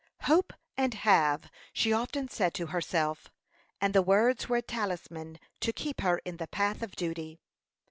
"HOPE AND HAVE," she often said to herself; and the words were a talisman to keep her in the path of duty.